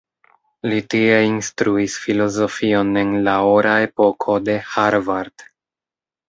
Li tie instruis filozofion en la ora epoko de Harvard.